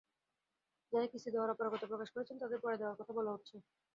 যাঁরা কিস্তি দেওয়ায় অপারগতা প্রকাশ করছেন, তাঁদের পরে দেওয়ার কথা বলা হচ্ছে।